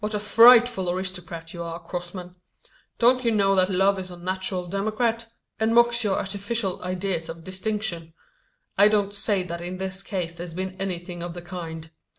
"What a frightful aristocrat you are, Crossman! Don't you know that love is a natural democrat; and mocks your artificial ideas of distinction. I don't say that in this case there's been anything of the kind.